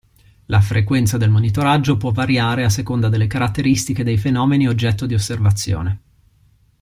La frequenza del monitoraggio può variare a seconda delle caratteristiche dei fenomeni oggetto di osservazione.